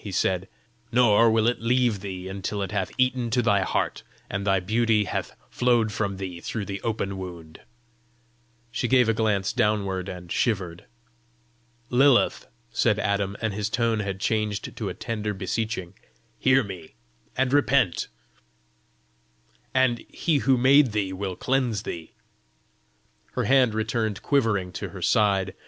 he said. "Nor will it leave thee until it hath eaten to thy heart, and thy beauty hath flowed from thee through the open wound!" She gave a glance downward, and shivered. "Lilith," said Adam, and his tone had changed to a tender beseeching, "hear me, and repent, and He who made thee will cleanse thee!" Her hand returned quivering to her side.